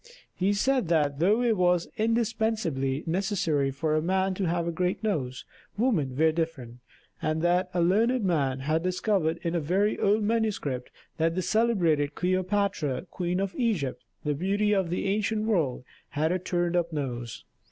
He said that though it was indispensably necessary for a man to have a great nose, women were different; and that a learned man had discovered in a very old manuscript that the celebrated Cleopatra, Queen of Egypt, the beauty of the ancient world, had a turned up nose.